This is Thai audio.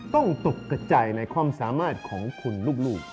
ตกกระจายในความสามารถของคุณลูก